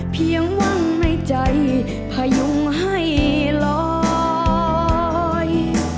เพียงวังในใจพยุงให้ลอย